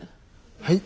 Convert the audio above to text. はい。